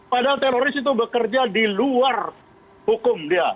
padahal teroris itu bekerja di luar hukum dia